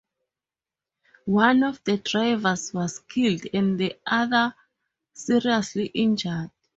One of the drivers was killed and the other seriously injured.